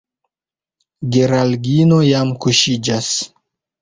Geraldino jam kuŝiĝas.